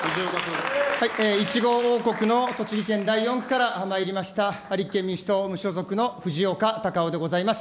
いちご王国の栃木県４区からまいりました、無所属の藤岡隆雄でございます。